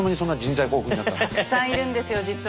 たくさんいるんですよ実は。